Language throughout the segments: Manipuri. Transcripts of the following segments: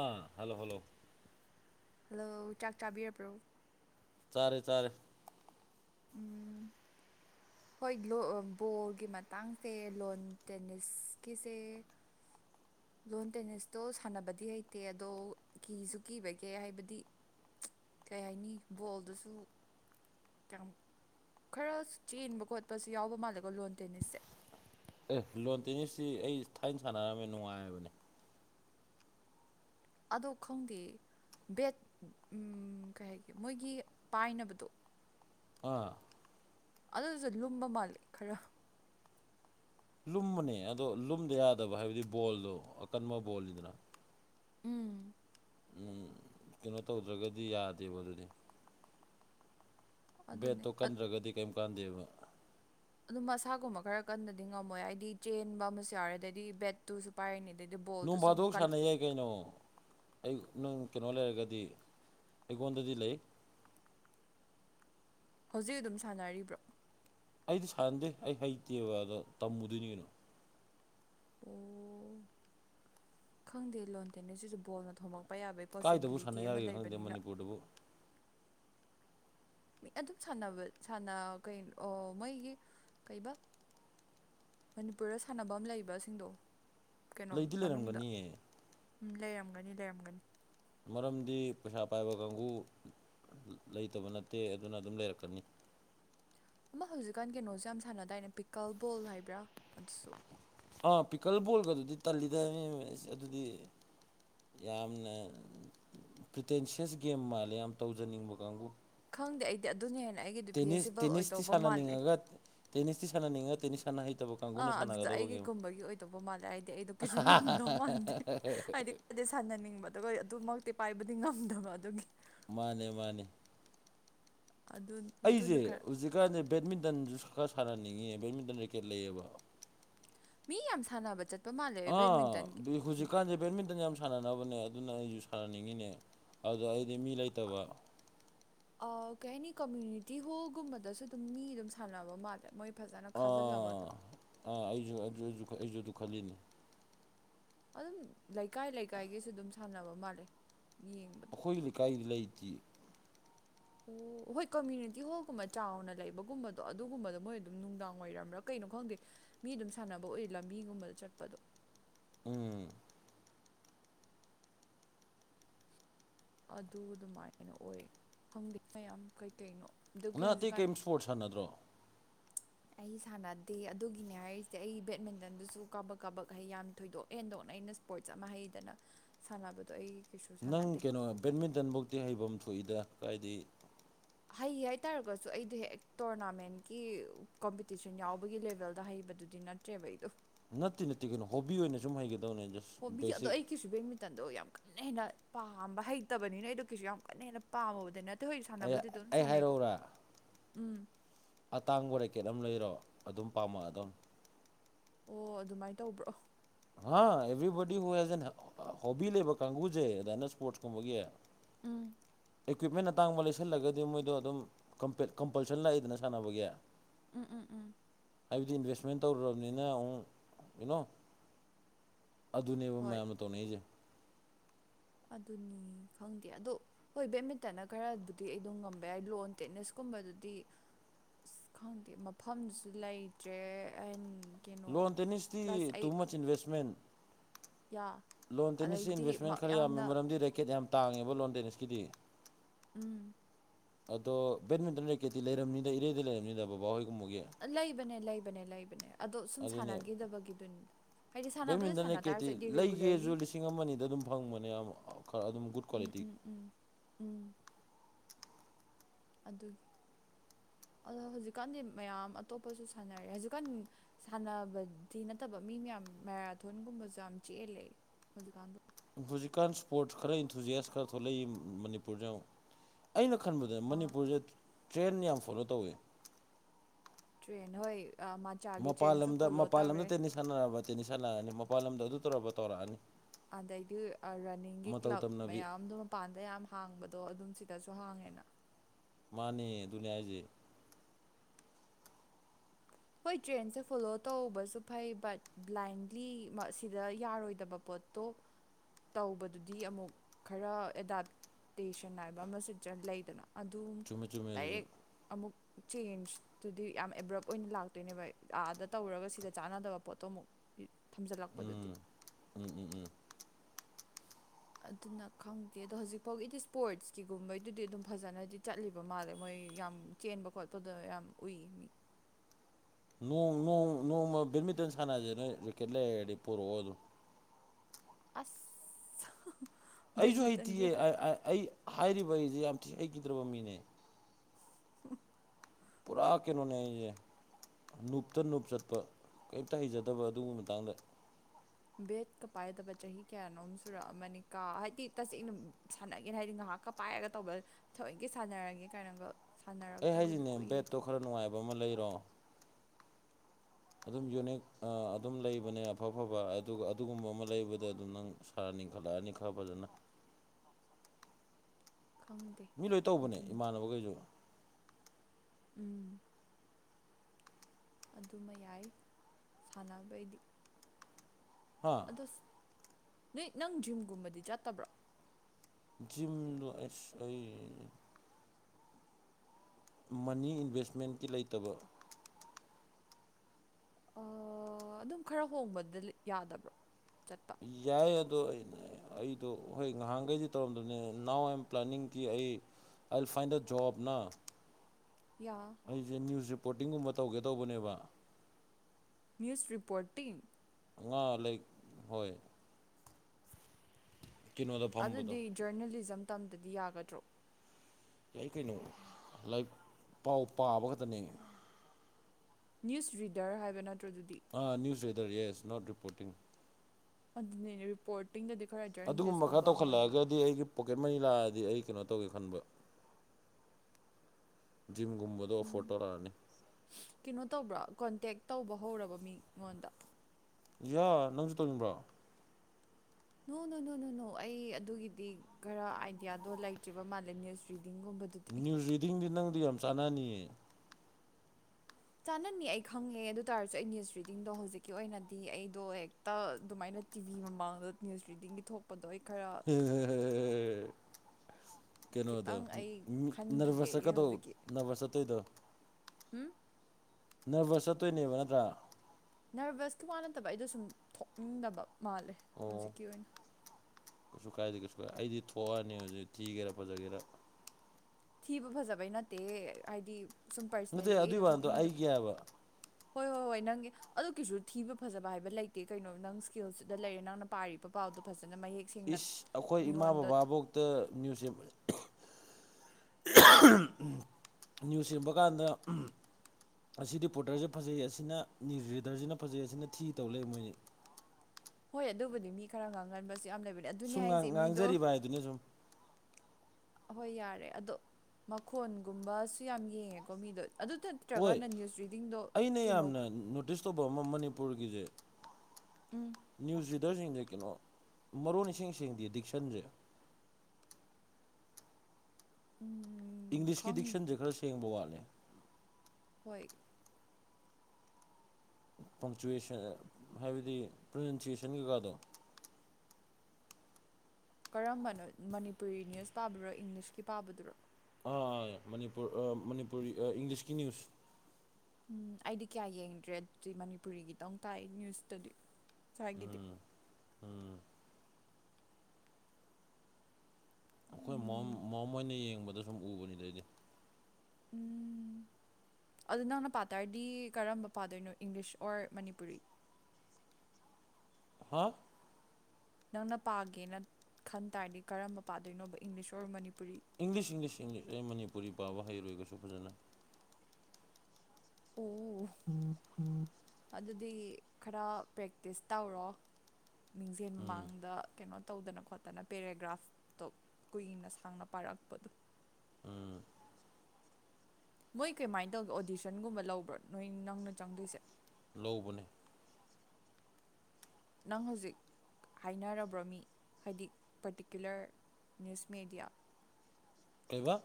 ꯑꯥ ꯍꯜꯂꯣ ꯍꯜꯂꯣ ꯍꯜꯂꯣ ꯆꯥꯛ ꯆꯥꯕꯤꯔꯕ꯭ꯔꯣ꯫ ꯆꯥꯔꯦ ꯆꯥꯔꯦ ꯎꯝ ꯍꯣꯏ ꯂꯣꯟ ꯕꯣꯜꯒꯤ ꯃꯇꯥꯡꯁꯦ ꯂꯣꯟ ꯇꯦꯅꯤꯁꯀꯤꯁꯦ ꯂꯣꯟ ꯇꯦꯅꯤꯁꯇꯣ ꯁꯥꯟꯅꯕꯗꯤ ꯍꯩꯇꯦ ꯑꯗꯣ ꯀꯤꯁꯨ ꯀꯤꯕꯒꯦ ꯍꯥꯏꯕꯗꯤ ꯀꯩ ꯍꯥꯏꯅꯤ ꯕꯣꯜꯗꯨꯁꯨ ꯈꯔ ꯆꯦꯟꯕ ꯈꯣꯠꯄꯁꯨ ꯌꯥꯎꯕ ꯃꯥꯜꯂꯦꯒ ꯂꯣꯟ ꯇꯦꯅꯤꯁꯁꯦ꯫ ꯑꯦ ꯂꯣꯟ ꯇꯦꯅꯤꯁꯁꯤ ꯑꯩ ꯊꯥꯏꯅ ꯁꯥꯟꯅꯔꯝꯃꯦ ꯅꯨꯡꯉꯥꯏꯕꯅꯦ꯫ ꯑꯗꯣ ꯈꯪꯗꯦ ꯕꯦꯠ ꯀꯩ ꯍꯥꯏꯒꯦ ꯃꯣꯏꯒꯤ ꯄꯥꯏꯅꯕꯗꯣ ꯑꯥ ꯑꯗꯨꯗꯨꯁꯨ ꯂꯨꯝꯕ ꯃꯥꯜꯂꯦ ꯈꯔ ꯂꯨꯝꯕꯅꯦ ꯑꯗꯣ ꯂꯨꯝꯗ ꯌꯥꯗꯕ ꯍꯥꯏꯕꯗꯤ ꯕꯣꯜꯗꯣ ꯑꯀꯟꯕ ꯕꯣꯜꯅꯤꯗꯅ ꯎꯝ ꯀꯩꯅꯣ ꯇꯧꯗ꯭ꯔꯒꯗꯤ ꯌꯥꯗꯦꯕ ꯑꯗꯨꯗꯤ ꯑꯗꯨꯅꯦ ꯕꯦꯠꯇꯣ ꯑꯠ- ꯀꯟꯗ꯭ꯔꯒꯗꯤ ꯀꯩꯝ ꯀꯥꯟꯗꯦꯕ ꯑꯗꯨꯝ ꯃꯁꯥꯒꯨꯝꯕ ꯈꯔ ꯀꯟꯗꯗꯤ ꯉꯝꯃꯣꯏ ꯍꯥꯏꯗꯤ ꯆꯦꯟꯕ ꯑꯃꯁꯨ ꯌꯥꯎꯔꯦ ꯑꯗꯩꯗꯤ ꯕꯦꯠ ꯇꯨꯁꯨ ꯄꯥꯏꯔꯅꯤꯗꯤ ꯅꯣꯡ ꯕꯣꯜꯗꯨꯁꯨꯨ ꯑꯃꯨꯛ ꯐꯥꯗꯣꯛ ꯀꯜ ꯁꯥꯟꯅ ꯌꯥꯏ ꯀꯩꯅꯣ ꯑꯩ ꯅꯪ ꯀꯩꯅꯣ ꯂꯩꯔꯒꯗꯤ ꯑꯩꯉꯣꯟꯗꯗꯤ ꯂꯩ ꯍꯧꯖꯤꯛ ꯑꯗꯨꯝ ꯁꯥꯟꯅꯔꯤꯕ꯭ꯔꯣ ꯑꯩꯗꯤ ꯁꯥꯟꯅꯗꯦ ꯑꯩ ꯍꯩꯇꯦꯕ ꯑꯗꯥ ꯇꯝꯃꯨꯗꯣꯏꯅꯤ ꯀꯩꯅꯣ ꯑꯣ ꯈꯪꯗꯦ ꯂꯣꯟ ꯇꯦꯅꯤꯁꯤꯖꯨ ꯕꯣꯜꯅ ꯊꯣꯝꯃꯛꯄ ꯌꯥꯕꯩ ꯄꯣꯁꯤꯕꯤꯂꯤꯇꯤ ꯑꯃ ꯂꯩꯕꯅꯤꯅ ꯑꯗꯨꯕꯨ ꯃꯤ ꯑꯗꯨꯝ ꯁꯥꯟꯅꯕ ꯁꯥꯟꯅ ꯀꯩ ꯑꯣ ꯃꯣꯏꯒꯤ ꯀꯩꯕꯥ ꯃꯅꯤꯄꯨꯔꯗ ꯁꯥꯟꯅꯕꯝ ꯂꯩꯕꯁꯤꯡꯗꯣ ꯀꯩꯅꯣ ꯂꯩꯗꯤ ꯃꯅꯨꯡꯗ ꯂꯩꯔꯝꯒꯅꯤꯌꯦ ꯎꯝ ꯂꯩꯔꯝꯒꯅꯤ ꯂꯩꯔꯝꯒꯅꯤ ꯃꯔꯝꯗꯤ ꯄꯩꯁꯥ ꯄꯥꯏꯕ ꯀꯥꯡꯕꯨ ꯂꯩꯇꯕ ꯅꯠꯇꯦ ꯑꯗꯨꯅ ꯑꯗꯨꯝ ꯂꯩꯔꯛꯀꯥꯅꯤ ꯑꯃ ꯍꯧꯖꯤꯛꯀꯥꯟ ꯀꯩꯅꯣꯁꯦ ꯌꯥꯝ ꯁꯥꯟꯅꯗꯥꯏꯅꯦ ꯄꯤꯀꯜ ꯕꯣꯜ ꯍꯥꯏꯕ꯭ꯔꯥ ꯑꯗꯨꯁ ꯑꯥ ꯄꯤꯀꯜ ꯕꯣꯜꯒꯗꯨꯗꯤ ꯇꯜꯂꯤꯗ [unintelligible] ꯑꯗꯨꯗꯤ ꯌꯥꯝꯅ ꯄ꯭ꯔꯤꯇꯦꯟꯁꯤꯌꯁ ꯒꯦꯝ ꯃꯥꯜꯂꯦ ꯌꯥꯝ ꯇꯧꯖꯅꯤꯡꯕ ꯀꯥꯡꯒꯨ ꯈꯪꯗꯦ ꯑꯩꯗꯤ ꯑꯗꯨꯅ ꯍꯦꯟꯅ ꯑꯩꯒꯤꯗꯤ ꯐꯦꯁꯤꯕꯜ ꯇꯦꯅꯤꯁꯇꯤ ꯑꯣꯏꯗꯧꯕ ꯃꯥꯜꯂꯦ ꯁꯥꯟꯅꯅꯤꯡꯉꯒ ꯇꯦꯅꯤꯁꯇꯤ ꯁꯥꯟꯅꯅꯤꯡꯉ ꯇꯦꯅꯤꯁ ꯁꯥꯟꯅ ꯍꯩꯇꯕ ꯑꯥ ꯀꯥꯡꯕꯨꯅ ꯑꯗꯨꯗ ꯁꯥꯟꯅꯒꯗꯕ ꯒꯦꯝ ꯑꯩꯒꯤꯒꯨꯝꯕꯒꯤ ꯑꯣꯏꯗꯧꯕ ꯃꯥꯜꯂꯦ ꯍꯥꯏꯗꯤ ꯑꯩꯗꯣ ꯀꯩꯁꯨ ꯉꯝꯗꯧ ꯃꯥꯟꯗꯦ ꯍꯥꯏꯗꯤ ꯁꯥꯟꯅꯅꯤꯡꯕꯗꯨꯒ ꯑꯗꯨꯃꯛꯇꯤ ꯄꯥꯏꯕꯗꯤ ꯉꯝꯗꯕ ꯑꯗꯨꯒꯤ ꯃꯥꯅꯦ ꯃꯥꯅꯦ ꯑꯗꯨꯟ ꯑꯩꯖꯦ ꯍꯨꯖꯤꯛꯀꯥꯟꯖꯦ ꯕꯦꯠꯃꯤꯟꯇꯟꯖꯨ ꯈꯔ ꯁꯥꯟꯅꯍꯅꯤꯡꯉꯤꯌꯦ ꯕꯦꯠꯃꯤꯟꯇꯟ ꯔꯤꯀꯦꯠ ꯂꯩꯌꯦꯕ ꯃꯤ ꯌꯥꯝ ꯁꯥꯟꯅꯕ ꯆꯠ ꯑꯥ ꯍꯨꯖꯤꯛꯀꯥꯟꯖꯦ ꯕꯦꯠꯃꯤꯟꯇꯟ ꯌꯥꯝ ꯁꯥꯟꯅꯅꯕꯅꯦ ꯑꯗꯨꯅ ꯑꯩꯖꯨ ꯁꯥꯟꯅꯅꯤꯡꯉꯤꯅꯦ ꯑꯗꯣ ꯑꯩꯗꯤ ꯃꯤ ꯂꯩꯇꯕ ꯑꯥ ꯀꯩ ꯍꯥꯏꯅꯤ ꯀꯝꯃ꯭ꯌꯨꯅꯤꯇꯤ ꯍꯣꯜꯒꯨꯝꯕꯗꯁꯨ ꯑꯗꯨꯝ ꯃꯤ ꯑꯗꯨꯝ ꯁꯥꯟꯅꯕ ꯃꯥꯜꯂꯦ ꯃꯣꯏ ꯐꯖꯅ ꯈꯥꯖꯤꯜꯂꯒꯗꯣ ꯑꯥ ꯑꯥ ꯑꯩꯖꯨ ꯑꯗꯨ ꯑꯩꯖꯨ ꯈꯜ ꯑꯩꯖꯨ ꯑꯗꯨ ꯈꯜꯂꯤꯅꯤ ꯑꯗꯨꯝ ꯂꯩꯀꯥꯏ ꯂꯩꯀꯥꯏꯒꯤꯁꯨ ꯑꯗꯨꯝ ꯁꯥꯟꯅꯕ ꯃꯥꯜꯂꯦ ꯌꯦꯡꯕ ꯑꯈꯣꯏꯒꯤ ꯂꯩꯀꯥꯏꯗꯤ ꯂꯩꯇꯦ ꯑꯣ ꯍꯣꯏ ꯀꯝꯃ꯭ꯌꯨꯅꯤꯇꯤ ꯍꯣꯜꯒꯨꯝꯕ ꯆꯥꯎꯅ ꯂꯩꯕꯒꯨꯝꯕꯗꯣ ꯑꯗꯨꯒꯨꯝꯕꯗꯣ ꯃꯣꯏ ꯑꯗꯨꯝ ꯅꯨꯡꯗꯥꯡ ꯋꯥꯏꯔꯝꯔꯥ ꯀꯩꯅꯣ ꯈꯪꯗꯦ ꯃꯤ ꯑꯗꯨꯝ ꯁꯥꯟꯅꯕ ꯎꯏ ꯂꯝꯕꯤꯒꯨꯝꯕꯗ ꯆꯠꯄꯗꯣ ꯎꯝ ꯑꯗꯨ ꯑꯗꯨꯃꯥꯏꯅ ꯑꯣꯏ ꯈꯪꯗꯦ ꯃꯌꯥꯝ ꯀꯩꯀꯩꯅꯣ ꯅꯪ ꯑꯇꯩ ꯀꯔꯤꯝ ꯁ꯭ꯄꯣꯔꯠꯁ ꯁꯥꯟꯅꯗ꯭ꯔꯣ ꯑꯩ ꯁꯥꯟꯅꯗꯦ ꯑꯗꯨꯒꯤꯅꯦ ꯍꯥꯏꯔꯤꯁꯦ ꯑꯩ ꯕꯦꯠꯃꯤꯟꯇꯟꯗꯨꯁꯨ ꯀꯥꯕꯛ ꯀꯥꯕꯛ ꯍꯩ ꯌꯥꯝ ꯊꯣꯏꯗꯣꯛ ꯍꯦꯟꯗꯣꯛꯅ ꯑꯩꯅ ꯄꯣꯏꯠꯁ ꯑꯃ ꯍꯩꯗꯅ ꯁꯥꯟꯅꯕꯗꯣ ꯑꯩ ꯀꯩꯁꯨ ꯅꯪ ꯁꯥꯟꯅꯗꯦ ꯀꯩꯅꯣ ꯕꯦꯠꯃꯤꯟꯇꯟꯕꯨꯛꯇꯤ ꯍꯩꯕꯝ ꯊꯣꯛꯏꯗ ꯀꯥꯏꯗꯤ ꯍꯩ ꯍꯥꯏ ꯇꯥꯔꯒꯁꯨ ꯑꯩꯗꯤ ꯍꯦꯛ ꯇꯣꯔꯅꯥꯃꯦꯟꯀꯤ ꯀꯝꯄꯤꯇꯤꯁꯟ ꯌꯥꯎꯕꯒꯤ ꯂꯦꯕꯦꯜꯗ ꯍꯩꯕꯗꯨꯗꯤ ꯅꯠ ꯇ꯭ꯔꯦꯕ ꯑꯩꯗꯣ ꯅꯠꯇꯦ ꯅꯠꯇꯦ ꯀꯩꯅꯣ ꯍꯣꯕꯤ ꯑꯣꯏꯅ ꯁꯨꯝ ꯍꯩꯒꯗꯕꯅꯦ [unintelligible] ꯍꯣꯕꯤ ꯑꯗꯣ ꯑꯩꯀꯤꯁꯨ ꯕꯦꯠꯃꯤꯇꯟꯗꯣ ꯌꯥꯝ ꯀꯟꯅ ꯍꯦꯟꯅ ꯄꯥꯝꯕ ꯍꯩꯇꯕꯅꯤꯅ ꯑꯩ ꯑꯗꯨ ꯀꯩꯁꯨ ꯌꯥꯝ ꯀꯟꯅ ꯍꯦꯟꯅ ꯄꯥꯝꯃꯨꯕꯗꯤ ꯅꯠ ꯇꯥꯍꯣꯏ ꯑꯩ ꯁꯥꯟꯅꯕꯗꯤ ꯑꯗꯨꯝ ꯑꯩ ꯁꯥꯟꯅꯩꯀꯣ ꯍꯥꯏꯔꯛꯎꯔꯥ ꯎꯝ ꯑꯇꯥꯡꯕ ꯔꯦꯀꯦꯠ ꯑꯃ ꯂꯩꯔꯣ ꯑꯗꯨꯝ ꯄꯥꯝꯃꯑꯗꯝ ꯑꯣ ꯑꯗꯨꯃꯥꯏ ꯇꯧꯕ꯭ꯔꯣ ꯍꯥ ꯑꯦꯚ꯭ꯔꯤꯕꯣꯗꯤ ꯋꯦꯖꯟ ꯍꯣꯕꯤ ꯂꯩꯕ ꯀꯥꯡꯒꯨꯖꯦ ꯑꯗꯥꯏꯅ ꯏꯁꯄꯣꯔꯠꯁꯀꯨꯝꯕꯒꯤ ꯎꯝ ꯑꯦꯛꯇꯤꯕꯦꯟ ꯑꯇꯥꯡꯕ ꯂꯩꯁꯜꯂꯒꯗꯤ ꯃꯣꯏꯗ ꯑꯗꯨꯝ ꯀꯝꯄꯜꯁꯟ ꯂꯥꯛꯏꯗꯅ ꯁꯥꯟꯅꯕꯒꯤ ꯎꯝ ꯎꯝ ꯎꯝ ꯍꯥꯏꯕꯗꯤ ꯏꯟꯚꯦꯁꯃꯦꯟ ꯇꯧꯔꯨꯔꯕꯅꯤꯅ ꯑꯃꯨꯛ ꯌꯨꯅꯣ ꯑꯗꯨꯅꯦꯕ ꯍꯣꯏ ꯃꯌꯥꯝꯅ ꯇꯧꯅꯩꯁꯦ ꯑꯗꯨꯅꯤ ꯈꯪꯗꯦ ꯑꯗꯣ ꯍꯣꯏ ꯕꯦꯠꯃꯤꯟꯇꯟꯅ ꯈꯔꯕꯨꯗꯤ ꯑꯩ ꯑꯗꯨꯝ ꯉꯝꯕ ꯌꯥꯏ ꯂꯣꯟ ꯇꯦꯟꯅꯁꯀꯨꯝꯕꯗꯨꯗꯤ ꯑꯁ ꯈꯪꯗꯦ ꯃꯐꯝꯗꯖꯨ ꯂꯩꯇ꯭ꯔꯦ ꯑꯦꯟ ꯀꯩꯅꯣ ꯂꯣꯟ ꯇꯦꯅꯤꯁꯇꯤ ꯄ꯭ꯂꯁ ꯇꯨ ꯑꯩ ꯃꯆ ꯏꯟꯚꯦꯁꯃꯦꯟ ꯌꯥ ꯂꯣꯟ ꯇꯦꯅꯤꯁꯁꯤ ꯑꯗꯩꯗꯤ ꯏꯟꯚꯦꯁꯃꯦꯟ ꯈꯔ ꯌꯥꯝꯃꯦ ꯌꯥꯝꯅ ꯃꯔꯝꯗꯤ ꯔꯦꯀꯦꯠ ꯌꯥꯝ ꯇꯥꯡꯉꯦꯕ ꯂꯣꯟ ꯇꯦꯅꯤꯁꯀꯤꯗꯤ ꯎꯝ ꯑꯗꯣ ꯕꯦꯃꯤꯇꯟ ꯔꯦꯀꯦꯠꯇꯤ ꯂꯩꯔꯝꯅꯤꯗ ꯏꯔꯩꯗ ꯂꯩꯔꯝꯅꯤꯗ ꯕꯕꯥ ꯍꯣꯏꯒꯨꯝꯕꯒꯤ ꯂꯩꯕꯅꯦ ꯂꯩꯕꯅꯦ ꯂꯩꯕꯅꯦ ꯑꯗꯣ ꯁꯨꯝ ꯁꯥꯟꯅꯒꯤꯗꯕꯒꯤꯗꯨꯅꯤ ꯕꯦꯠ ꯃꯦꯗꯟ ꯅꯦꯛꯀꯦꯠꯇꯤ ꯂꯩꯒꯦꯖꯨ ꯂꯤꯁꯤꯡ ꯑꯃ ꯑꯅꯤꯗ ꯑꯗꯨꯝ ꯐꯪꯕꯅꯦ ꯌꯥꯝ ꯈꯔ ꯑꯗꯨꯝ good um quality um um um ꯑꯗꯨꯒꯤ ꯑꯗꯣ ꯍꯧꯖꯤꯛꯀꯥꯟꯗꯤ ꯃꯌꯥꯝ ꯑꯇꯣꯞꯄꯖꯨ ꯁꯥꯟꯅꯔꯦ ꯍꯧꯖꯤꯛꯀꯥꯟ ꯁꯥꯟꯅꯕꯗꯤ ꯅꯠꯇꯕ ꯃꯤ ꯃꯌꯥꯝ ꯃꯦꯔꯥꯊꯣꯟꯒꯨꯝꯕ ꯌꯥꯝ ꯆꯤꯜꯂꯦ ꯍꯧꯖꯤꯛꯀꯥꯟꯗꯣ ꯍꯧꯖꯤꯛꯀꯥꯟ ꯏꯁ꯭ꯄꯣꯔꯠꯁ ꯈꯔ ꯏꯟꯊꯨꯖꯤꯌꯥꯁ ꯈꯔ ꯊꯣꯛꯂꯛꯏ ꯃꯅꯤꯄꯨꯔꯗ ꯑꯩꯅ ꯈꯟꯕꯗ ꯑꯥ ꯃꯅꯤꯄꯨꯔꯖꯦ ꯇ꯭ꯔꯦꯟ ꯌꯥꯝ ꯐꯣꯂꯣ ꯇꯧꯋꯦ ꯇ꯭ꯔꯦꯟ ꯍꯣꯏ ꯑꯥ ꯃꯟ ꯃꯄꯥꯥꯟ ꯂꯝꯗ ꯃꯄꯥꯟ ꯂꯝꯗ ꯇꯦꯅꯤꯁ ꯁꯥꯟꯅꯔꯕ ꯇꯦꯅꯤꯁ ꯁꯥꯟꯅꯔꯅꯤ ꯃꯄꯥꯟ ꯂꯝꯗ ꯑꯗꯨ ꯇꯧꯔꯕ ꯇꯧꯔꯛꯑꯅꯤ ꯑꯗꯩꯗꯤ ꯔꯟꯅꯤꯡꯒꯤ ꯃꯇꯧ ꯀ꯭ꯂꯕ ꯇꯝꯅꯕꯤ ꯃꯌꯥꯝꯗꯣ ꯃꯄꯥꯟꯗ ꯌꯥꯝ ꯍꯥꯡꯕꯗꯣ ꯑꯗꯨꯝ ꯁꯤꯗꯁꯨ ꯍꯥꯡꯉꯦꯅ ꯃꯥꯅꯦ ꯑꯗꯨꯅꯦ ꯍꯥꯏꯖꯦ ꯍꯣꯏ ꯇ꯭ꯔꯦꯟꯖꯦ ꯐꯣꯂꯣ ꯇꯧꯕꯁꯨ ꯐꯩ ꯕꯠ ꯕ꯭ꯂꯥꯏꯟꯂꯤ ꯁꯤꯗ ꯌꯥꯔꯣꯏꯗꯕ ꯄꯣꯠ ꯇꯣ ꯇꯧꯕꯗꯨꯗꯤ ꯑꯃꯨꯛ ꯈꯔ ꯑꯦꯗꯥꯞꯇꯦꯁꯟ ꯍꯥꯏꯕ ꯑꯃ ꯁꯨ ꯂꯩꯗꯅ ꯑꯗꯨꯝ ꯆꯨꯝꯃꯦ ꯆꯨꯝꯃꯦ ꯑꯗꯨꯁꯨ ꯗꯥꯏꯔꯦꯛ ꯑꯃꯨꯛ ꯆꯦꯟꯖꯇꯨꯗꯤ ꯌꯥꯝ ꯑꯦꯕ꯭ꯔꯞ ꯑꯣꯏꯅ ꯂꯥꯛ ꯇꯣꯏꯅꯦꯚ ꯑꯥꯗ ꯇꯧꯔꯒ ꯁꯤꯗ ꯆꯥꯟꯅꯗꯕ ꯄꯣꯠꯇꯣ ꯑꯃꯨꯛ ꯊꯝꯖꯜꯂꯛꯄꯗꯨꯗꯤ ꯎꯝ ꯎꯝ ꯎꯝ ꯎꯝ ꯑꯗꯨꯅ ꯈꯪꯗꯦ ꯑꯗꯣ ꯍꯧꯖꯤꯛꯐꯥꯎꯒꯤꯗꯤ ꯏꯁ꯭ꯄꯣꯔꯠꯁꯀꯤꯒꯨꯝꯕꯩꯗꯨꯗꯤ ꯑꯗꯨꯝ ꯐꯖꯅꯗꯤ ꯆꯠꯂꯤꯕ ꯃꯥꯜꯂꯦ ꯃꯣꯏ ꯌꯥꯝ ꯆꯦꯟꯕ ꯈꯣꯠꯄꯗꯣ ꯌꯥꯝ ꯎꯏ ꯃꯤ ꯅꯣꯡ ꯅꯣꯡꯃ ꯕꯦꯠꯃꯤꯟꯇꯟ ꯁꯥꯟꯅꯖꯦ ꯅꯣꯏ ꯋꯤꯀꯦꯠ ꯂꯩꯔꯗꯤ ꯄꯨꯔꯛꯑꯣ ꯑꯗꯨꯝ ꯑꯁ ꯑꯩꯖꯨ ꯕꯦꯠꯃꯤꯟꯇꯟꯒꯤ ꯍꯩꯇꯤꯌꯦ ꯑꯩ ꯍꯥꯏꯔꯤꯕ ꯑꯩꯖꯦ ꯌꯥꯝꯊꯤ ꯍꯩꯒꯤꯗ꯭ꯔꯕ ꯃꯤꯅꯦ ꯎꯝ ꯄꯨꯔꯥ ꯀꯩꯅꯣꯅꯦ ꯑꯩꯖꯦ ꯅꯨꯨꯞꯇ ꯅꯨꯞ ꯆꯠꯄ ꯀꯩꯝꯇ ꯍꯩꯖꯗꯕ ꯑꯗꯨ ꯃꯇꯥꯡꯗ ꯕꯦꯠꯀ ꯄꯥꯏꯗꯕ ꯆꯍꯤ ꯀꯌꯥꯅꯣꯝ ꯁꯨꯔꯛꯑꯃꯅꯤꯀꯥ ꯍꯥꯏꯗꯤ ꯇꯁꯦꯡꯅ ꯁꯥꯟꯅꯒꯦꯅ ꯍꯥꯏꯗꯤ ꯉꯍꯥꯛ ꯄꯛꯀ ꯄꯥꯏꯔꯒ ꯇꯧꯕ ꯊꯋꯣꯏꯡꯀꯤ ꯁꯥꯟꯅꯔꯒꯦ ꯀꯥꯏꯅꯒ ꯑꯩ ꯁꯥꯟꯅꯔꯛꯇꯕꯗꯨ ꯍꯥꯏꯁꯤꯅꯦ ꯀꯨꯏꯔꯦ ꯕꯦꯠꯇꯣ ꯈꯔ ꯅꯨꯡꯉꯥꯏꯕ ꯑꯃ ꯂꯩꯔꯣ ꯑꯗꯨꯝ ꯌꯨꯅꯤꯛ ꯑꯗꯨꯝ ꯂꯩꯕꯅꯦ ꯑꯐ ꯑꯐꯕ ꯑꯗꯨꯒ ꯑꯗꯨꯒꯨꯝꯕ ꯑꯃ ꯂꯩꯕꯗ ꯑꯗꯨꯝ ꯅꯪ ꯊꯔꯅꯤ ꯈꯠꯂꯛꯑꯅꯤ ꯈꯔ ꯐꯖꯅ ꯈꯪ ꯃꯤ ꯂꯣꯏ ꯇꯧꯕꯅꯦ ꯏꯃꯥꯟꯅꯕꯈꯩꯁꯨ ꯎꯝ ꯑꯗꯨꯃ ꯌꯥꯏ ꯁꯥꯟꯅꯕꯩꯗꯤ ꯍꯥ ꯑꯁ ꯅꯣꯏ ꯅꯪ ꯖꯤꯝꯒꯨꯝꯕꯗꯤ ꯆꯠꯇꯕ꯭ꯔꯣ ꯖꯤꯨꯝꯂꯣ ꯑꯁ ꯑꯩ ꯃꯅꯤ ꯏꯟꯚꯦꯁꯃꯦꯟꯠꯀꯤ ꯂꯩꯇꯕ ꯑ ꯑꯗꯨꯝ ꯈꯔ ꯍꯣꯡꯕꯗ ꯂꯩ ꯌꯥꯗꯕ꯭ꯔꯣ ꯆꯠꯄ ꯌꯥꯏ ꯑꯗꯣ ꯑꯩꯅ ꯑꯩꯗꯣ ꯍꯣꯏ ꯉꯍꯥꯟꯒꯩꯗꯤ ꯇꯧꯔꯝꯗꯅꯦ ꯅꯥꯎ ꯑꯥꯏꯝ ꯄ꯭ꯂꯥꯟꯅꯤꯡꯀꯤ ꯑꯩ ꯑꯥꯏꯜ ꯐꯥꯏꯟ ꯗ ꯖꯣꯕ ꯅ ꯌꯥ ꯑꯩꯁꯦ ꯅ꯭ꯌꯨꯁ ꯔꯤꯄꯣꯔꯇꯤꯡꯒꯨꯝꯕ ꯇꯧꯒꯦ ꯇꯧꯕꯅꯦꯕ ꯅ꯭ꯌꯨꯁ ꯔꯤꯄꯣꯔꯇꯤꯡ ꯉꯥ ꯂꯩꯥꯏꯛ ꯍꯣꯏ ꯀꯩꯅꯣꯗ ꯐꯝꯕꯗꯣ ꯑꯗꯨꯗꯤ ꯖꯔꯅꯦꯂꯤꯖꯝ ꯇꯝꯗꯗꯤ ꯌꯥꯒꯗ꯭ꯔꯣ ꯌꯥꯏ ꯀꯩꯅꯣ ꯂꯥꯏꯛ ꯄꯥꯎ ꯄꯥꯕ ꯈꯇꯅꯦ ꯅ꯭ꯌꯨꯁ ꯔꯤꯗꯔ ꯍꯥꯏꯕ ꯅꯠꯇ꯭ꯔꯣ ꯑꯗꯨꯗꯤ ꯑꯥ news reader yes not reporting ꯑꯗꯨꯅꯦ ꯔꯤꯄꯣꯔꯇꯤꯡꯗꯗꯤ ꯈꯔ ꯖꯔꯅꯦꯂꯤꯁꯀꯨꯝꯕ ꯑꯃꯒꯤ ꯑꯗꯨꯗꯤ ꯑꯩꯒꯤ ꯄꯣꯀꯦꯠ ꯃꯅꯤ ꯂꯥꯛꯑꯗꯤ ꯑꯩ ꯀꯩꯅꯣ ꯇꯧꯒꯦ ꯈꯟꯕ ꯖꯤꯝꯒꯨꯝꯕ ꯗꯣ ꯑꯣꯐꯣꯔꯠ ꯇꯧꯔꯛꯑꯅꯤ ꯀꯤꯅꯣ ꯇꯧꯕ꯭ꯔꯣ ꯀꯣꯟꯇꯦꯛ ꯇꯧꯕ ꯍꯧꯔꯕ ꯃꯤꯉꯣꯟꯗ ꯌꯥ ꯅꯪꯖꯨ ꯇꯧꯅꯤꯡꯕ꯭ꯔꯣ ꯅꯣ ꯅꯣ ꯅꯣ ꯅꯣ ꯅꯣ ꯑꯩ ꯑꯗꯨꯒꯤꯗꯤ ꯈꯔ ꯑꯥꯏꯗꯤꯌꯥꯗꯣ ꯂꯩꯇ꯭ꯔꯤꯕ ꯃꯥꯜꯂꯦ ꯅ꯭ꯌꯨꯁ ꯔꯤꯗꯤꯡꯒꯨꯝꯕꯗ ꯅ꯭ꯌꯨꯁ ꯔꯤꯗꯤꯡꯗꯤ ꯅꯪꯗꯤ ꯌꯥꯝ ꯆꯥꯟꯅꯅꯤꯌꯦ ꯆꯥꯅꯅꯤ ꯑꯩ ꯈꯪꯉꯦ ꯑꯗꯨ ꯇꯥꯔꯁꯨ ꯑꯩ ꯅ꯭ꯌꯨꯁ ꯔꯤꯗꯤꯡꯗꯣ ꯍꯧꯖꯤꯛꯀꯤ ꯑꯣꯏꯅꯗꯤ ꯑꯩꯗꯣ ꯍꯦꯛ ꯇ ꯑꯗꯨꯃꯥꯏꯅ ꯇꯤꯚꯤ ꯃꯃꯥꯡꯗ ꯅ꯭ꯌꯨꯁ ꯔꯤꯗꯤꯡꯒꯤ ꯊꯣꯛꯄꯗꯣ ꯑꯩ ꯈꯔ ꯀꯩꯅꯣꯗ ꯈꯤꯇꯪ ꯑꯩ ꯈꯟꯈꯤꯒꯦ ꯅꯔꯚꯁ ꯆꯠꯀꯗꯣ ꯍꯧꯖꯤꯛꯀꯤ ꯅꯔꯚꯁ ꯆꯠꯇꯣꯏꯗꯣ ꯎꯝ ꯅꯔꯚꯁ ꯆꯠꯇꯣꯏꯅꯦꯕ ꯅꯠꯇ꯭ꯔꯥ ꯅꯔꯚꯁꯀꯤ ꯋꯥ ꯅꯠꯇꯕ ꯑꯩꯗꯣ ꯁꯨꯝ ꯊꯣꯛꯅꯤꯡꯗꯕ ꯃꯥꯜꯂꯦ ꯑꯣ ꯍꯧꯖꯤꯛꯀꯤ ꯑꯣꯏꯅ ꯀꯩꯁꯨ ꯀꯥꯏꯗꯦ ꯀꯩꯁꯨ ꯀꯥꯏ ꯑꯩꯗꯤ ꯊꯣꯛꯑꯅꯤ ꯍꯧꯖꯤꯛ ꯊꯤꯒꯦꯔꯥ ꯐꯖꯒꯦꯔꯥ ꯊꯤꯕ ꯐꯖꯕꯩ ꯅꯠꯇꯦꯍꯦ ꯍꯥꯏꯗꯤ ꯁꯨꯝ ꯅꯠꯇꯦ ꯄꯔꯁꯅꯦꯜꯂꯤ ꯑꯗꯨꯏ ꯑꯩꯗꯣ ꯋꯥꯅꯤꯗꯣ ꯊꯣꯛꯅꯤꯡꯗꯕ ꯑꯩꯒꯤ ꯍꯥꯏꯕ ꯍꯣꯏ ꯍꯣꯏ ꯍꯣꯏ ꯅꯪꯒꯤ ꯑꯗꯨ ꯀꯩꯁꯨ ꯊꯤꯕ ꯐꯖꯕ ꯍꯥꯏꯕ ꯂꯩꯇꯦ ꯀꯩꯅꯣ ꯅꯪ ꯁ꯭ꯀꯤꯜꯁꯤꯗ ꯂꯩꯔꯦ ꯅꯪꯅ ꯄꯥꯔꯤꯕ ꯄꯥꯎꯗꯣ ꯐꯖꯅ ꯃꯌꯦꯛ ꯁꯦꯡꯅ ꯏꯁ ꯑꯩꯈꯣꯏ ꯏꯃꯥ ꯃꯤꯉꯣꯟꯗ ꯕꯕꯥꯕꯣꯛꯇ ꯅ꯭ꯌꯨꯁ ꯅ꯭ꯌꯨꯁ ꯌꯦꯡꯕ ꯀꯥꯟꯗ ꯑꯁꯤ ꯔꯤꯄꯣꯔꯇꯔꯖꯦ ꯐꯖꯩ ꯑꯁꯤꯅ ꯅ꯭ꯌꯨꯁ ꯔꯤꯗꯔꯖꯤꯅ ꯐꯖꯩ ꯑꯁꯤꯅ ꯊꯤ ꯇꯧ ꯂꯩ ꯃꯣꯏꯅꯤ ꯍꯣꯏ ꯑꯗꯨꯕꯨꯗꯤ ꯃꯤ ꯈꯔ ꯉꯥꯡꯒꯟꯕꯁꯨ ꯌꯥꯝ ꯂꯩꯕꯅꯦ ꯑꯗꯨꯅꯦ ꯍꯥꯏꯁꯦ ꯃꯤꯗꯣ ꯑꯗꯨ ꯁꯨꯨꯝ ꯑꯍꯣꯏ ꯌꯥꯔꯦ ꯑꯗꯣ ꯃꯈꯣꯟꯒꯨꯝꯕꯁꯨ ꯌꯥꯝ ꯌꯦꯡꯉꯦꯀꯣ ꯃꯤꯗꯣ ꯑꯗꯨꯇ ꯍꯣꯏ ꯑꯩꯅ ꯌꯥꯝꯅ ꯅꯣꯇꯤꯁ ꯇꯧꯕ ꯑꯃ ꯃꯅꯤꯄꯨꯔꯒꯤꯖꯦ ꯎꯝ ꯅ꯭ꯌꯨꯁ ꯔꯤꯗꯔꯖꯤꯡꯖꯦ ꯀꯩꯅꯣ ꯃꯔꯣꯟ ꯏꯁꯦꯡ ꯁꯦꯡꯗꯦ ꯗꯤꯛꯁꯟꯖꯦ ꯎꯝ ꯏꯪꯂꯤꯁꯀꯤ ꯈꯪ ꯗꯤꯛꯁꯟꯖꯦ ꯈꯔ ꯁꯦꯡꯕ ꯋꯥꯠꯂꯦ ꯍꯣꯏ ꯄꯪꯆꯨꯌꯦꯁꯟ ꯍꯥꯏꯕꯗꯤ ꯄ꯭ꯔꯅꯟꯁꯤꯌꯦꯁꯟ ꯀꯩꯀꯥꯗꯣ ꯀꯔꯝꯕꯅꯣ ꯃꯅꯤꯄꯨꯔꯤ ꯅ꯭ꯌꯨꯁ ꯄꯥꯕꯔꯣ ꯏꯪꯂꯤꯁꯀꯤ ꯄꯥꯕꯗꯨꯔꯣ? ꯑꯥ ꯃꯅꯤꯄꯨꯔ ꯑ ꯃꯅꯤꯄꯨꯔꯤ ꯑ ꯏꯪꯂꯤꯁꯀꯤ ꯅ꯭ꯌꯨꯁ ꯎꯝ ꯑꯩꯗꯤ ꯀꯌꯥ ꯌꯦꯡꯗ꯭ꯔꯦ ꯑꯗꯨꯗꯤ ꯃꯅꯤꯄꯨꯔꯤꯒꯤꯇꯪ ꯇꯥꯏ ꯅ꯭ꯌꯨꯁꯇꯗꯤ ꯁ꯭ꯋꯥꯏꯒꯤꯗꯤ ꯎꯝ ꯎꯝ ꯑꯩꯈꯣꯏ ꯃꯣꯝ ꯎꯝ ꯃꯣꯝ ꯍꯣꯏꯅ ꯌꯦꯡꯕꯗ ꯁꯨꯝ ꯎꯕꯅꯤꯗ ꯑꯩꯗꯤ ꯎꯝ ꯑꯗꯨ ꯅꯪꯅ ꯄꯥꯇꯥꯔꯗꯤ ꯀꯔꯝꯕ ꯄꯥꯗꯣꯏꯅꯣ ꯏꯪꯂꯤꯁ ꯑꯣꯔ ꯃꯅꯤꯄꯨꯔꯤ ꯍꯥ ꯅꯪꯅ ꯄꯥꯒꯦꯅ ꯈꯟ ꯇꯥꯔꯗꯤ ꯀꯔꯝꯕ ꯄꯥꯗꯣꯏꯅꯣꯕ English or Manipuri English English English ꯑꯩ ꯃꯅꯤꯄꯨꯔꯤ ꯄꯥꯕ ꯍꯩꯔꯣꯏ ꯀꯩꯁꯨ ꯐꯖꯅ ꯑꯣ [unintelligible] ꯑꯗꯨꯗꯤ ꯈꯔ ꯄ꯭ꯔꯦꯛꯇꯤꯁ ꯇꯧꯔꯣ ꯃꯤꯡꯖꯦꯜ ꯎꯝ ꯃꯃꯥꯡꯗ ꯀꯩꯅꯣ ꯇꯧꯗꯅ ꯈꯣꯠꯇꯅ ꯄꯦꯔꯥꯒ꯭ꯔꯥꯐꯇꯣ ꯀꯨꯏꯅ ꯁꯥꯡꯅ ꯄꯥꯔꯛꯄꯗꯣ ꯎꯝ ꯃꯣꯏ ꯀꯩꯃꯥꯏ ꯇꯧꯒꯦ ꯑꯣꯗꯤꯁꯟꯒꯨꯝꯕ ꯂꯧꯕ꯭ꯔꯣ ꯅꯣꯏ ꯅꯪꯅ ꯆꯪꯗꯣꯏꯁꯦ ꯂꯧꯕꯅꯦ ꯅꯪ ꯍꯧꯖꯤꯛ ꯍꯥꯏꯅꯔꯕ꯭ꯔꯣ ꯃꯤ ꯍꯥꯏꯗꯤ ꯄꯥꯔꯇꯤꯀꯨꯂꯔ ꯅ꯭ꯌꯨꯁ ꯃꯦꯗꯤꯌꯥ ꯀꯩꯕ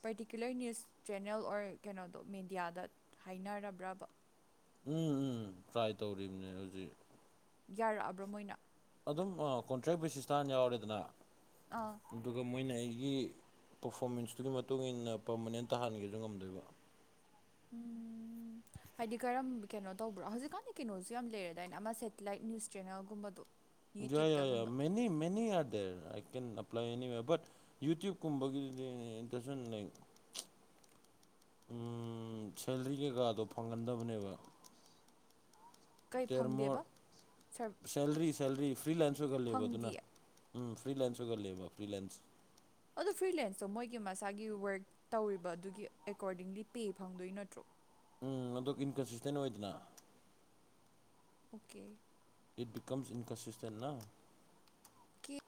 ꯄꯔꯇꯤꯀꯨꯂꯔ ꯅ꯭ꯌꯨꯁ ꯆꯦꯅꯦꯜ ꯑꯣꯔ ꯀꯩꯅꯣꯗꯣ ꯃꯦꯗꯤꯌꯥꯗ ꯍꯥꯏꯅꯔꯕ꯭ꯔꯕꯥ ꯎꯝ ꯎꯝ ꯇ꯭ꯔꯥꯏ ꯇꯧꯔꯤꯕꯅꯦ ꯍꯧꯖꯤꯛ ꯌꯥꯔꯛꯑꯕ꯭ꯔꯣ ꯃꯣꯏꯅ ꯑꯗꯨꯝ ꯑꯥ ꯀꯣꯟꯇ꯭ꯔꯦꯛ ꯕꯦꯁꯤꯁꯇ ꯍꯥꯟꯅ ꯌꯥꯎꯔꯦꯗꯅ ꯑꯥ ꯑꯗꯨꯒ ꯃꯣꯏꯅ ꯑꯩꯒꯤ ꯄꯔꯐꯣꯔꯃꯦꯟꯁꯇꯨꯒꯤ ꯃꯇꯨꯡ ꯏꯟꯅ ꯄꯔꯃꯅꯦꯟ ꯇꯥꯍꯟꯒꯦꯖꯨ ꯉꯝꯗꯣꯏꯕ ꯎꯝ ꯍꯥꯏꯗꯤ ꯀꯔꯝ ꯀꯩꯅꯣ ꯇꯧꯕ꯭ꯔꯣ ꯍꯧꯖꯤꯛꯀꯥꯟꯗꯤ ꯀꯩꯅꯣꯁꯨ ꯌꯥꯝ ꯂꯩꯔꯗꯥꯏꯅꯦ ꯑꯃ ꯁꯦꯇꯤꯂꯥꯏꯠ ꯅ꯭ꯌꯨꯁ ꯆꯦꯅꯦꯜꯒꯨꯝꯕꯗꯣ ꯌꯥ ꯌꯥ ꯌꯥ ꯌꯨꯇ꯭ꯌꯨꯕꯇꯒꯨꯝꯕ many many [unintelligible] I can apply anyway but ꯌꯨꯇ꯭ꯌꯨꯞꯀꯨꯝꯕꯒꯤꯗꯨꯗꯤ [unintelligible] ꯂꯩ ꯎꯝ ꯁꯦꯂꯔꯤ ꯀꯩꯀꯥꯗꯣ ꯐꯪꯒꯟꯗꯕꯅꯦꯕ ꯀꯩ ꯇꯦꯔꯃꯣꯠ ꯐꯪꯗꯦꯕ ꯁꯔ ꯁꯦꯂꯔꯤ ꯁꯦꯂꯔꯤ ꯐ꯭ꯔꯤ ꯂꯟꯁ ꯑꯣꯏꯒꯜꯂꯦꯕ ꯑꯗꯨꯅ ꯐꯪꯗꯤꯌꯦ ꯎꯝ ꯐ꯭ꯔꯤ ꯂꯟꯁ ꯑꯣꯏꯒꯜꯂꯦꯕ ꯐ꯭ꯔꯤ ꯂꯟꯁ ꯑꯗꯨ ꯐ꯭ꯔꯤ ꯂꯦꯟꯁꯇꯣ ꯃꯣꯏꯒꯤ ꯃꯁꯥꯒꯤ ꯋꯥꯔꯛ ꯇꯧꯔꯤꯕ ꯑꯗꯨꯒꯤ ꯑꯦꯀꯣꯔꯗꯤꯡꯂꯤ ꯄꯦ ꯐꯪꯗꯣꯏ ꯅꯠꯇ꯭꯭ꯔꯣ ꯎꯝ ꯑꯗꯨ ꯏꯟꯀꯟꯁꯤꯁꯇꯦꯟ ꯑꯣꯏꯗꯅ ꯑꯣꯀꯦ ꯏꯠ ꯕꯤꯀꯝꯁ ꯏꯟꯀꯟꯁꯤꯁꯇꯦꯟ ꯅꯥ ꯑꯣꯀꯦ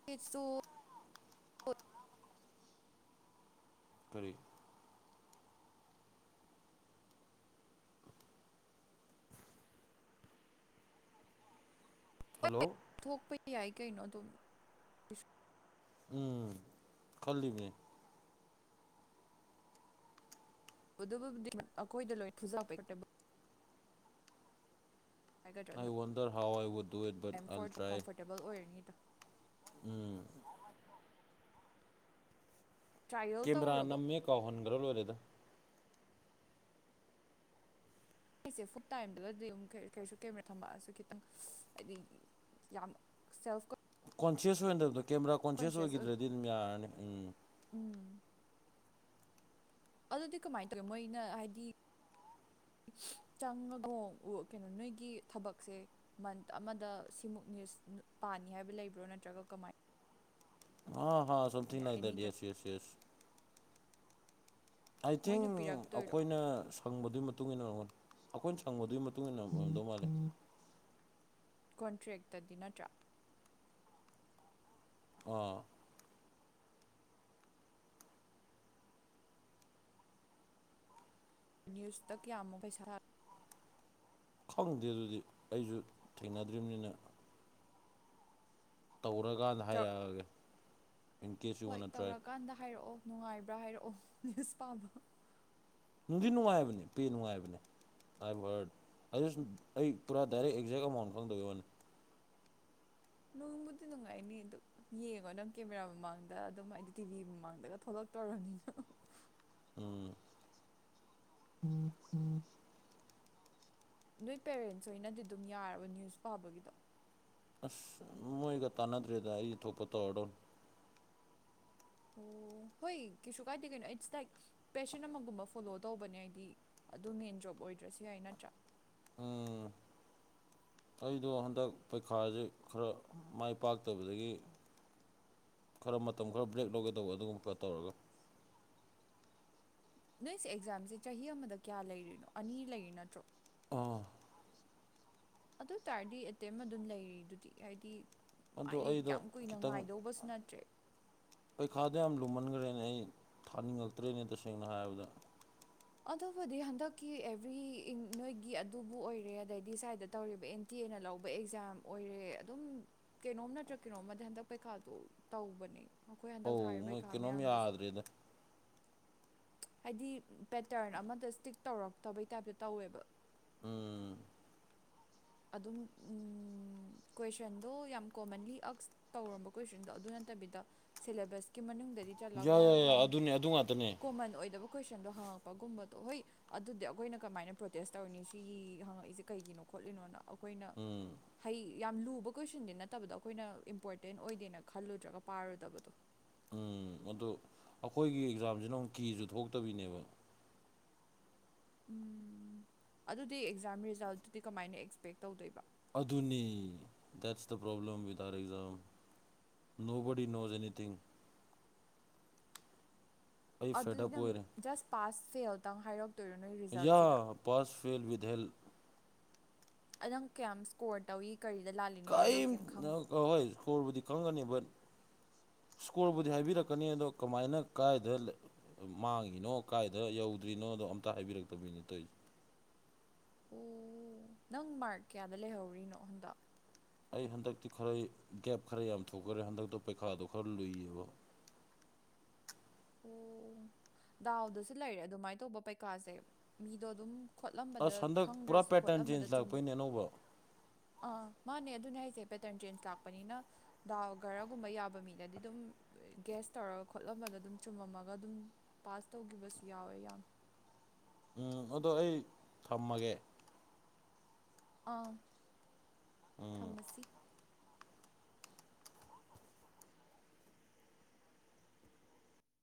[unintelligible] ꯇꯔꯤ ꯍꯜꯂꯣ ꯊꯣꯛꯄ ꯌꯥꯏ ꯀꯩꯅꯣ ꯑꯗꯨꯝ ꯎꯝ ꯈꯜꯂꯤꯅꯦ [unintelligible] ꯍꯥꯏꯒꯗ꯭ꯔꯥ ꯑꯗꯨꯝ ꯑꯩ ꯋꯥꯟꯗꯔ ꯍꯥꯎꯋꯥꯏ [unintelligible] ꯆꯥꯏꯌꯦ ꯇꯦꯕꯜ ꯑꯣꯏꯔꯅꯤꯗ ꯎꯝ ꯇ꯭ꯔꯥꯏꯌꯦꯜ ꯀꯦꯃꯦꯔꯥ ꯇꯧꯔꯨꯔꯕꯣ ꯅꯝꯃꯦ ꯀꯥꯎꯍꯟꯒ꯭ꯔ ꯂꯣꯏꯔꯦꯗ ꯑꯩꯁꯦ ꯐꯨꯛ ꯇꯥꯏꯝꯗꯨꯒꯗꯤ ꯑꯃꯨꯛ ꯀꯔꯤꯁꯨ ꯀꯦꯃꯦꯔꯥ ꯊꯝꯃꯛꯑꯁꯨ ꯈꯤꯇꯪ ꯍꯥꯏꯗꯤ ꯌꯥꯝ ꯁꯦꯜꯐꯀ ꯀꯣꯟꯁꯤꯌꯁ ꯑꯣꯏꯍꯟꯗꯕꯗꯣ ꯀꯦꯃꯦꯔꯥ ꯀꯣꯟꯁꯤꯌꯁ ꯑꯣꯏꯕ ꯑꯣꯏꯒꯤꯗ꯭ꯔꯗꯤ ꯑꯗꯨꯝ ꯌꯥꯔꯅꯤ ꯎꯝ ꯎꯝ ꯑꯗꯨꯗꯤ ꯀꯃꯥꯏ ꯇꯧꯋꯤ ꯃꯣꯏꯅ ꯍꯥꯏꯗꯤ ꯆꯪꯉꯒꯣ ꯎ ꯀꯩꯅꯣ ꯅꯣꯏꯒꯤ ꯊꯕꯛꯁꯦ ꯃꯟꯠ ꯑꯃꯗ ꯁꯤꯃꯨꯛ ꯅ꯭ꯌꯨꯁ ꯄꯥꯅꯤ ꯍꯥꯏꯕ ꯂꯩꯕ꯭ꯔꯣ ꯅꯠꯇ꯭ꯔꯒ ꯀꯃꯥꯏ ꯑ ꯍ something like any that yes yes yes I think ꯃꯣꯏꯅ ꯄꯤꯔꯛꯇꯣꯏꯔꯣ ꯑꯈꯣꯏꯅ ꯁꯪꯕꯗꯨꯒꯤ ꯃꯇꯨꯡ ꯏꯟꯅ ꯑꯈꯣꯏꯅ ꯁꯪꯕꯗꯨꯒꯤ ꯃꯇꯨꯡ ꯏꯟꯅ ꯑꯣꯏꯔꯝꯗꯧ ꯃꯥꯜꯂꯤ ꯀꯣꯟꯇ꯭ꯔꯦꯛꯇꯗꯤ ꯅꯠꯇ꯭ꯔꯥ [unintelligible] ꯅ꯭ꯌꯨꯁꯇ ꯀꯌꯥꯃꯨꯛ ꯄꯩꯁꯥ ꯈꯪꯗꯦ ꯑꯗꯨꯗꯤ ꯑꯩꯁꯨ ꯊꯦꯡꯅꯗ꯭ꯔꯤꯕꯅꯤꯅ ꯇꯧꯔꯀꯥꯟꯗ ꯍꯥꯏꯔꯛꯑꯒꯦ ꯏꯟ ꯀꯦꯁ ꯌꯨ ꯍꯣꯏ ꯋꯥꯟꯅ ꯇ꯭ꯔꯥꯏ ꯇꯧꯔꯀꯥꯟꯗ ꯍꯥꯏꯔꯛꯑꯣ ꯅꯨꯡꯉꯥꯏꯕ꯭ꯔꯥ ꯍꯥꯏꯔꯛꯑꯣ ꯅ꯭ꯌꯨꯁ ꯄꯥꯕ ꯅꯨꯡꯗꯤ ꯅꯨꯡꯉꯥꯏꯕꯅꯦ ꯄꯦ ꯅꯨꯡꯉꯥꯏꯕꯅꯦ ꯑꯥꯏꯕ ꯋ꯭ꯔꯠ ꯑꯗ ꯁꯨꯝ ꯑꯩ ꯄꯨꯔꯥ ꯗꯥꯏꯔꯦꯛ ꯑꯦꯛꯖꯦꯛ ꯑꯦꯃꯥꯎꯟ ꯈꯪꯗꯩ ꯋꯅꯦ ꯅꯣꯡꯕꯨꯗꯤ ꯇꯅꯨꯡꯉꯥꯏꯅꯤ ꯑꯗꯨ ꯌꯦꯡꯉꯣ ꯅꯪ ꯀꯦꯃꯦꯔꯥ ꯃꯃꯥꯡꯗ ꯑꯗꯨꯝ ꯍꯥꯏꯗꯤ ꯇꯤꯚꯤ ꯃꯃꯥꯡꯗꯒ ꯊꯣꯛꯂꯛꯇꯧꯔꯕꯅꯤꯅ ꯎꯝ [unintelligible] ꯅꯣꯏ ꯄꯦꯔꯦꯟꯁ ꯍꯣꯏꯅꯗꯤ ꯑꯗꯨꯝ ꯌꯥꯔꯕ ꯅ꯭ꯌꯨꯁ ꯄꯥꯕꯒꯤꯗꯣ ꯑꯁ ꯃꯣꯏꯒ ꯇꯥꯟꯅꯗ꯭ꯔꯦꯗ ꯑꯩ ꯊꯣꯛꯄ ꯇꯧꯔꯗꯧ ꯑꯣ ꯍꯣꯏ ꯀꯩꯁꯨ ꯀꯥꯏꯗꯦ ꯀꯩꯅꯣ ꯑꯦꯠꯁ ꯇꯥꯏꯛ ꯄꯦꯁꯟ ꯑꯃꯒꯨꯝꯕ ꯐꯣꯂꯣ ꯇꯧꯕꯅꯦ ꯍꯥꯏꯗꯤ ꯑꯗꯨ ꯃꯦꯟ ꯖꯣꯕ ꯑꯣꯏꯗ꯭ꯔꯁꯨ ꯌꯥꯏ ꯅꯠꯇ꯭ꯔꯥ ꯎꯝ [unintelligible] [inaudible] ꯑꯩꯗꯣ ꯍꯟꯗꯛ ꯄꯩꯈꯥꯖꯦ ꯈꯔ ꯃꯥꯏ ꯄꯥꯛꯇꯕꯗꯒꯤ ꯈꯔ ꯃꯇꯝ ꯈꯔ ꯕ꯭ꯔꯦꯛ ꯂꯧꯒꯦ ꯇꯧꯕ ꯑꯗꯨꯒꯨꯝꯕ ꯇꯧꯔꯒ ꯅꯣꯏꯁꯦ ꯑꯦꯛꯖꯥꯝꯁꯦ ꯆꯍꯤ ꯑꯃꯗ ꯀꯌꯥ ꯂꯩꯔꯤꯅꯣ ꯑꯅꯤ ꯂꯩꯔꯤ ꯅꯠꯇ꯭ꯔꯣ ꯑꯥ ꯑꯗꯨ ꯑꯣꯏ ꯇꯥꯔꯗꯤ ꯑꯦꯇꯦꯝ ꯑꯗꯨꯝ ꯂꯩꯔꯤ ꯑꯗꯨꯗꯤ ꯍꯥꯏꯗꯤ ꯑꯗꯣ ꯃꯥꯏꯔꯤꯛ ꯑꯩꯗꯣ ꯌꯥꯝ ꯀꯨꯏꯅ ꯉꯥꯏꯗꯧꯕꯁꯨ ꯅꯠꯇ꯭ꯔꯦ ꯄꯩꯈꯥꯗꯣ ꯌꯥꯝ ꯂꯨꯝꯃꯟꯒ꯭ꯔꯦꯅꯦ ꯑꯩ ꯊꯥꯅꯤꯡꯉꯛꯇ꯭ꯔꯦꯅꯦ ꯇꯁꯦꯡꯅ ꯍꯥꯏꯔꯕꯗ ꯑꯗꯨꯕꯨꯗꯤ ꯍꯟꯗꯛꯀꯤ ꯑꯦꯕ꯭ꯔꯤ ꯏꯤꯡ ꯅꯣꯏꯒꯤ ꯑꯗꯨꯕꯨ ꯑꯣꯏꯔꯦ ꯑꯗꯩꯗꯤ ꯁ꯭ꯋꯥꯏꯗ ꯇꯧꯔꯤꯕ ꯑꯦꯡ ꯇꯤ ꯑꯦꯅ ꯂꯧꯕ ꯑꯦꯛꯖꯥꯝ ꯑꯣꯏꯔꯦ ꯑꯗꯨꯝ ꯀꯦꯅꯣꯝ ꯅꯠꯇ꯭ꯔ ꯀꯦꯅꯣꯝꯃꯗꯤ ꯍꯟꯗꯛ ꯄꯩꯈꯥꯗꯣ ꯇꯧꯕꯅꯦ ꯑꯈꯣꯏ ꯍꯟꯗꯛ ꯊꯥꯔꯤ ꯑꯧ ꯃꯣꯏ ꯄꯩꯈꯥ ꯀꯩꯅꯣꯝ ꯃꯌꯥꯝꯗꯨꯁꯨ ꯌꯥꯗ꯭ꯔꯦꯗ ꯍꯥꯏꯗꯤ ꯄꯦꯇꯔꯟ ꯑꯃꯗ ꯁ꯭ꯇꯤꯛ ꯇꯧꯔꯛꯇꯕꯩ ꯇꯥꯏꯞꯇ ꯇꯧꯋꯦꯕ ꯎꯝ ꯑꯗꯨꯝ ꯎꯝ ꯀꯣꯏꯁꯟꯗꯣ ꯌꯥꯝ ꯀꯣꯃꯟꯂꯤ ꯑꯛꯁ ꯇꯧꯔꯝꯕ ꯀꯣꯏꯁꯟꯗꯣ ꯑꯗꯨ ꯅꯠꯇꯕꯤꯗ ꯁꯦꯂꯦꯕꯁꯀꯤ ꯃꯅꯨꯡꯗꯗꯤ ꯆꯠꯂꯒ ꯌꯥꯏ ꯌꯥꯏ ꯌꯥꯏ ꯌꯥꯝ ꯑꯗꯨꯅꯦ ꯑꯗꯨ ꯉꯥꯛꯇꯅꯦ ꯀꯣꯃꯟ ꯑꯣꯏꯗꯕ ꯀꯣꯏꯁꯟꯗꯣ ꯍꯪꯉꯛꯄꯒꯨꯝꯕꯗꯣ ꯍꯣꯏ ꯑꯗꯨꯗꯤ ꯑꯈꯣꯏꯅ ꯀꯃꯥꯏꯅ ꯄ꯭ꯔꯣꯇꯦꯁ ꯇꯧꯔꯅꯤ ꯁꯤꯒꯤ ꯍꯪꯉꯛꯏꯖꯦ ꯀꯩꯒꯤꯅꯣ ꯈꯣꯠꯂꯤꯅꯣꯅ ꯑꯈꯣꯏꯅ ꯎꯝ ꯍꯩ ꯌꯥꯝ ꯂꯨꯕ ꯀꯣꯏꯁꯟꯗꯤ ꯅꯠꯇꯕꯗꯣ ꯑꯈꯣꯏꯅ ꯏꯝꯄꯣꯔꯇꯦꯟ ꯑꯣꯏꯗꯦꯅ ꯈꯜꯂꯨꯗ꯭ꯔꯒ ꯄꯥꯔꯨꯗꯕꯗꯣ ꯎꯝ ꯑꯗꯣ ꯑꯩꯈꯏꯒꯤ ꯑꯦꯛꯖꯥꯝꯖꯤꯅ ꯑꯃꯨꯛ ꯀꯤꯖꯨ ꯊꯣꯛꯇꯕꯤꯅꯦꯕ ꯎꯝ ꯑꯗꯨꯗꯤ ꯑꯦꯛꯖꯥꯝ ꯔꯤꯖꯜꯇꯨꯗꯤ ꯀꯃꯥꯏꯅ ꯑꯦꯛꯁꯄꯦꯛ ꯇꯧꯗꯣꯏꯕ ꯑꯗꯨꯅꯤ that's the problem with that exam nobody knows anything ꯑꯩ ꯐꯦꯠ ꯑꯗꯨꯗꯤ ꯑꯞ ꯅꯪ ꯑꯣꯏꯔꯦ ꯖꯁ ꯄꯥꯁ ꯐꯦꯜꯗꯪ ꯍꯥꯏꯔꯛ ꯌꯥ ꯄꯥꯁ ꯐꯦꯜ ꯋꯤꯠꯍꯦꯜ ꯑꯅꯪ ꯀꯌꯥꯝ ꯁ꯭ꯀꯣꯔ ꯇꯧꯏ ꯀꯔꯤꯗ ꯂꯥꯜꯂꯤꯅꯣꯗꯣ ꯅꯪ ꯀꯩꯏꯝ ꯈꯪ ꯀꯍꯣꯏ ꯏꯁꯀꯣꯔꯕꯨꯗꯤ ꯀꯪꯉꯅꯤ ꯕꯠ ꯏꯁꯀꯣꯔꯕꯨꯗꯤ ꯍꯥꯏꯕꯤꯔꯛꯀꯅꯤ ꯑꯗꯣ ꯀꯃꯥꯏꯅ ꯀꯥꯏꯗ ꯂꯩ ꯃꯥꯡꯉꯤꯅꯣ ꯀꯥꯏꯗ ꯌꯧꯗ꯭ꯔꯤꯅꯣꯗꯣ ꯑꯝꯇ ꯍꯥꯏꯕꯤꯔꯛꯇꯕꯤꯅꯤ ꯇꯧꯏꯖꯦ ꯑꯣ ꯅꯪ ꯃꯥꯔꯛ ꯀꯌꯥꯗ ꯂꯩꯍꯧꯔꯤꯅꯣ ꯍꯟꯗꯛ ꯑꯩ ꯍꯟꯗꯛꯇꯤ ꯈꯔ ꯒꯦꯞ ꯈꯔ ꯌꯥꯝ ꯊꯣꯛꯈ꯭ꯔꯦ ꯍꯟꯗꯛꯇꯣ ꯄꯩꯈꯥꯗꯣ ꯈꯔ ꯂꯨꯏꯑꯕ ꯑꯣ ꯗꯥꯎꯗꯁꯨ ꯂꯩꯔꯦ ꯑꯗꯨꯃꯥꯏ ꯇꯧꯕ ꯄꯩꯀꯥꯁꯦ ꯃꯤꯗꯣ ꯑꯗꯨꯝ ꯈꯣꯠꯂꯝꯕꯗ ꯑꯁ ꯍꯟꯗꯛ ꯄꯨꯔꯥ ꯈꯪꯗ꯭ꯔꯁꯨ ꯄꯦꯇꯔꯟ ꯈꯣꯠꯂꯝꯕꯗ ꯆꯦꯟꯖ ꯆꯨꯝ ꯂꯥꯛꯄꯩꯅꯦ ꯑꯅꯧꯕ ꯑꯥ ꯃꯥꯅꯦ ꯑꯗꯨꯅꯦ ꯍꯥꯏꯁꯦ ꯄꯦꯇꯔꯟ ꯆꯦꯟꯖ ꯂꯥꯛꯄꯅꯤꯅ ꯗꯥꯎ ꯒꯔꯒꯨꯝꯕ ꯌꯥꯕ ꯃꯤꯗꯗꯤ ꯗꯨꯝ ꯒꯦꯁ ꯇꯧꯔꯒ ꯈꯣꯠꯂꯝꯕꯗꯣ ꯗꯨꯝ ꯆꯨꯝꯃꯝꯃꯒ ꯑꯗꯨꯝ ꯄꯥꯁ ꯇꯧꯒꯤꯕꯁꯨ ꯌꯥꯎꯋꯦ ꯌꯥꯝ ꯑꯥ ꯑꯗꯣ ꯑꯩ ꯊꯝꯃꯒꯦ ꯑꯥ ꯎꯝ ꯊꯝꯃꯁꯤ